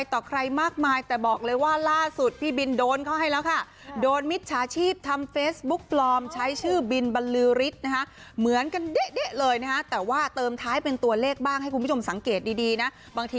ถ้าเกิดว่าใครพอจะจำกันได้